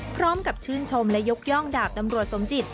พร้อมกับชื่นชมและยกย่องดาบนำรวจสมจิต